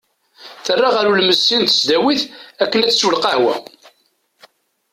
Terra ɣer ulmessi n tesdawit akken ad tessew lqahwa.